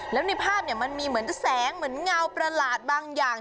แล้วในภาพมันมีเหมือนแสงเหมือนเงาประหลาดบางอย่าง